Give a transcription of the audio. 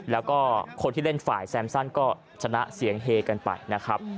แล้วก็คนที่เล่นฝ่ายแซมสั้นก็ชนะเสียงเฮกันไปนะครับ